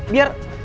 lo harus tenang